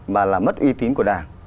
mà làm mất uy tín của đảng